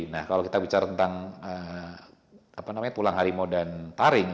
nah kalau kita bicara tentang tulang harimau dan taring